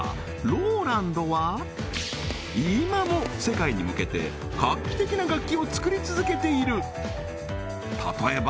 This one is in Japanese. ローランドは今も世界に向けて画期的な楽器を作り続けている例えば